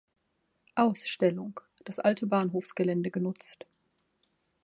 Ausstellung, das alte Bahnhofsgelände genutzt.